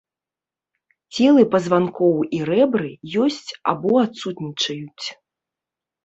Целы пазванкоў і рэбры ёсць або адсутнічаюць.